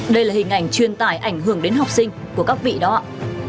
đây là hình ảnh truyền tải ảnh hưởng đến học sinh của các vị đó ạ